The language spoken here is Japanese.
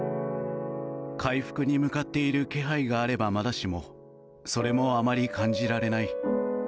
回復に向かっている気配があれば、まだしもそれもあまり感じられない。